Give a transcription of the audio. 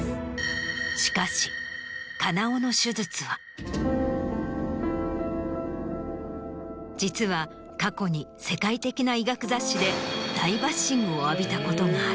金尾の手術は実は過去に世界的な医学雑誌で大バッシングを浴びたことがある。